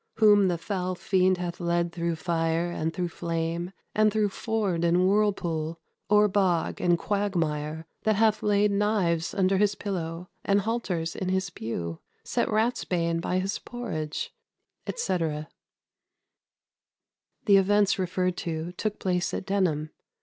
whom the foul fiend hath led through fire and through flame, and through ford and whirlpool, o'er bog and quagmire; that hath laid knives under his pillow, and halters in his pew; set ratsbane by his porridge," etc. [Footnote 1: l. 51, et seq.] The events referred to took place at Denham.